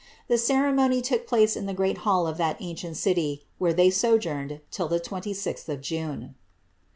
* The ceremony took place in the great hall of that ancient city, where they sojourned till the 26th of June.